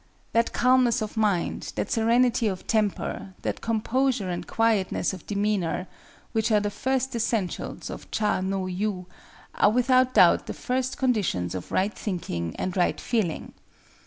That calmness of mind, that serenity of temper, that composure and quietness of demeanor, which are the first essentials of Cha no yu are without doubt the first conditions of right thinking and right feeling.